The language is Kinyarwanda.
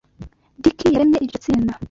Dick yaremye iryo tsinda.